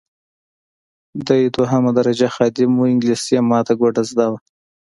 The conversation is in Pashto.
دی دوهمه درجه خادم وو انګلیسي یې ماته ګوډه زده وه.